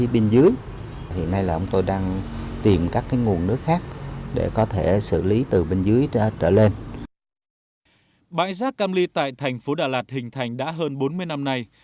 bãi rác cam ly tại thành phố đà lạt hình thành đã hơn bốn mươi năm nay